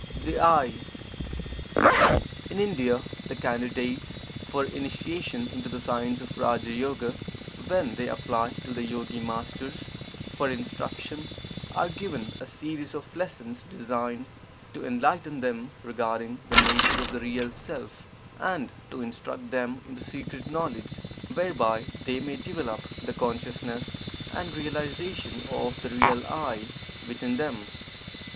THE "I." In India, the Candidates for Initiation into the science of "Raja Yoga," when they apply to the Yogi Masters for instruction, are given a series of lessons designed to enlighten them regarding the nature of the Real Self, and to instruct them in the secret knowledge whereby they may develop the consciousness and realization of the real "I" within them.